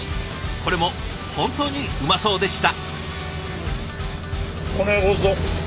これも本当にうまそうでした。